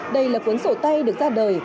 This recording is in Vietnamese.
đây là cuốn sổ tay được ra đời